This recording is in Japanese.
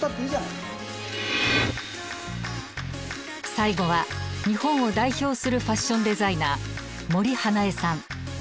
最後は日本を代表するファッションデザイナー森英恵さん。